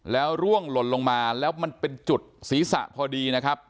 แล้วร่วงหล่นลงมาแล้วมันเป็นจุดศีรษะพอดีนะครับ